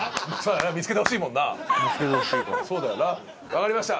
分かりました。